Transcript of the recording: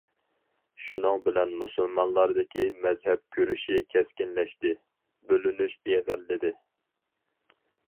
شۇنىڭ بىلەن مۇسۇلمانلاردىكى مەزھەپ كۈرىشى كەسكىنلەشتى، بۆلۈنۈش ئېغىرلىدى.